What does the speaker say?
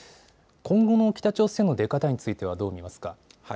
今後の北朝鮮の出方についてはどう見ますか。